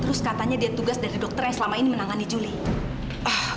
terus katanya dia tugas dari dokter yang selama ini menangani julie